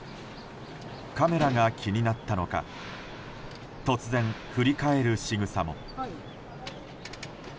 カメラが気になったのか突然、振り返るしぐさも。